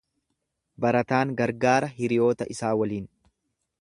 Barataan gargaara hiriyoota isaa waliin.